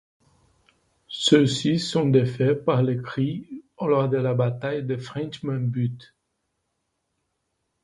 Ceux-ci sont défaits par les Cris lors de la bataille de Frenchman Butte.